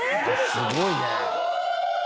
すごいね！